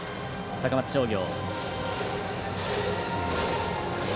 高松商業。